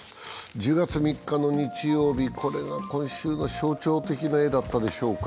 １０月３日の日曜日、これが今週の象徴的な画だったでしょうか。